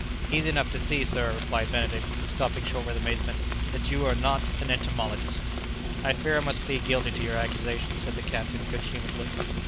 "Easy enough to see, sir," replied Benedict, stopping short with amazement, "that you are not an entomologist!" "I fear I must plead guilty to your accusation," said the captain good humouredly.